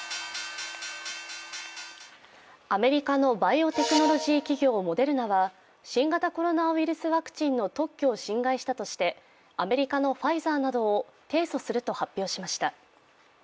アメリカのバイオテクノロジー企業・モデルナは新型コロナウイルスワクチンの特許を侵害したとして、アメリカのファイザーなどを提訴すると発表しました。